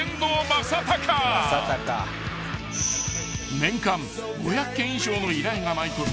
［年間５００件以上の依頼が舞い込み